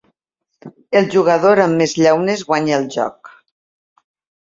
El jugador amb més llaunes guanya el joc.